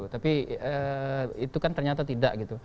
tapi itu kan ternyata tidak gitu